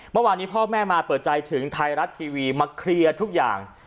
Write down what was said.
เมื่อวานนี้พ่อแม่มาเปิดใจถึงไทยรัฐทีวีมาเคลียร์ทุกอย่าง